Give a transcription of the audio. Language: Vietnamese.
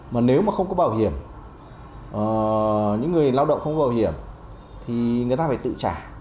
mà nếu mà không có bảo hiểm những người lao động không có bảo hiểm thì người ta phải tự trả